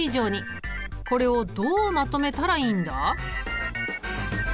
これをどうまとめたらいいんだ？